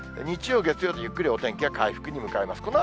日曜、月曜と、ゆっくりお天気は回復に向かいます。